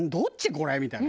これみたいな。